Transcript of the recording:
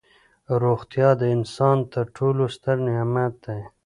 روغتیا د انسان تر ټولو ستر نعمت دی.